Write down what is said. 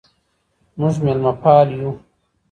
موږ ميلمه پال يو.